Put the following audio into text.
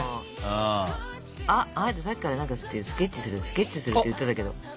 あっあなたさっきから何か「スケッチするスケッチする」って言ってたけど。